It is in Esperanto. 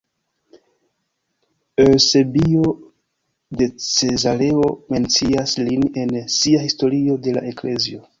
Eŭsebio de Cezareo mencias lin en sia Historio de la Eklezio.